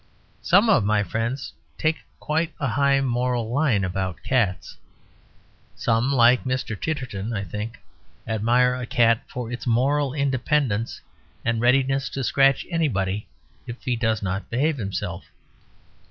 Some of my friends take quite a high moral line about cats. Some, like Mr. Titterton, I think, admire a cat for its moral independence and readiness to scratch anybody "if he does not behave himself."